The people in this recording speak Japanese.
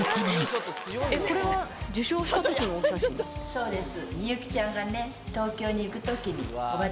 そうです。